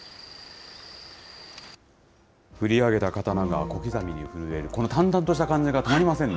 振り上げた刀が小刻みに震える、このたんたんとした感じがたまりませんね。